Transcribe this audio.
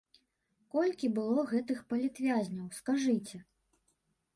Колькі было гэтых палітвязняў, скажыце?